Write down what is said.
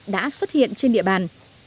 đã xuất hiện trên địa bàn